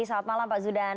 selamat malam pak zudan